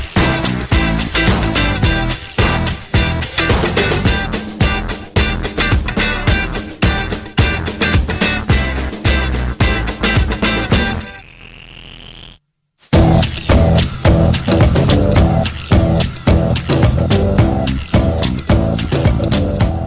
โปรดติดตามตอนต่อไป